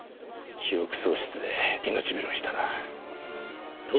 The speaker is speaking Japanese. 記憶喪失で命拾いしたな。